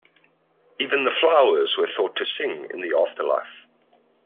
Even the flowers were thought to sing in the afterlife.